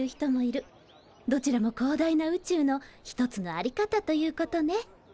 どちらも広大な宇宙の一つの在り方ということね。